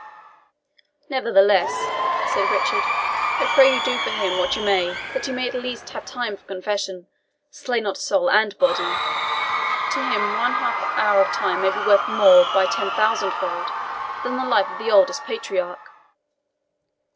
"Nevertheless," said Richard, "I pray you do for him what you may, that he may at least have time for confession. Slay not soul and body! To him one half hour of time may be worth more, by ten thousandfold, than the life of the oldest patriarch."